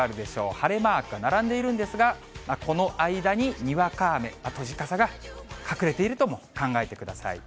晴れマーク並んでいるんですが、この間ににわか雨、閉じ傘が隠れているとも考えてください。